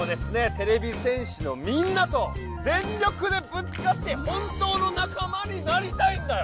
てれび戦士のみんなと全力でぶつかって本当の仲間になりたいんだよ。